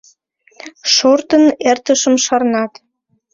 Шортын, эртышым шарнат.